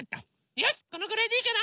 よしこのぐらいでいいかな。